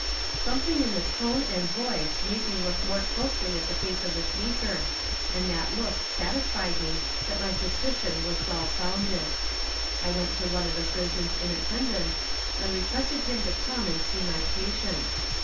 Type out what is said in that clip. ] Something in the tone and voice made me look more closely at the face of the speaker, and that look satisfied me that my suspicion was well founded. I went to one of the surgeons in attendance, and requested him to come and see my patient.